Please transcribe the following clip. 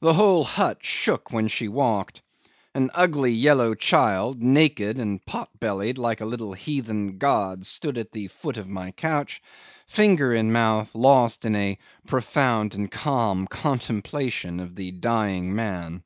The whole hut shook when she walked. An ugly yellow child, naked and pot bellied like a little heathen god, stood at the foot of the couch, finger in mouth, lost in a profound and calm contemplation of the dying man.